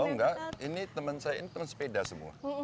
oh nggak ini temen saya ini temen sepeda semua